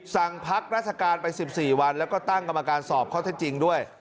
สั่งพักราชการไป๑๔วันแล้วก็ตั้งกำกันการสอบเขาได้จริงด้วย